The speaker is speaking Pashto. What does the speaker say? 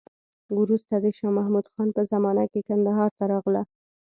وروسته د شا محمود خان په زمانه کې کندهار ته راغله.